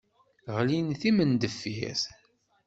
Ɣlin d timendeffirt.